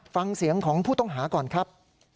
ฟังเสียงของผู้ต้องหาก่อนครับ